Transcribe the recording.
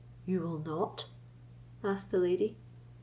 "You will not?" asked the lady.